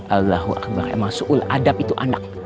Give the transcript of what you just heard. allahu akbar emang seulah adab itu anak